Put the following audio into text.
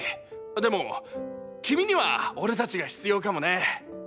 でも君には俺たちが必要かもね。！